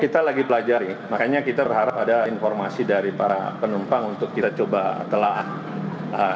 kita lagi belajar ya makanya kita berharap ada informasi dari para penumpang untuk kita coba telahkk at